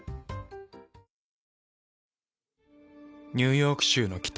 ニューヨーク州の北。